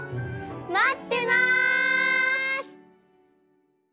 まってます！